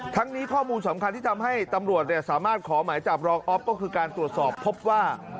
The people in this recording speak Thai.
นี้ข้อมูลสำคัญที่ทำให้ตำรวจสามารถขอหมายจับรองออฟก็คือการตรวจสอบพบว่า